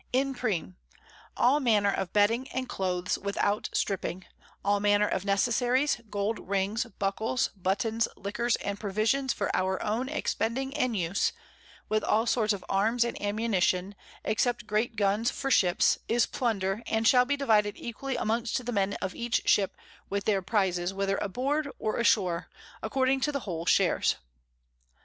_ Imprim. _All manner of Bedding and Clothes without stripping, all manner of Necessaries, Gold Rings, Buckles, Buttons, Liquors, and Provisions for our own expending and use, with all sorts of Arms and Ammunition, except great Guns for Ships, is Plunder, and shall be divided equally amongst the Men of each Ship, with their Prizes, wither aboard or ashore, according to the whole Shares.